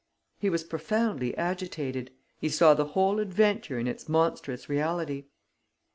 He was profoundly agitated. He saw the whole adventure in its monstrous reality.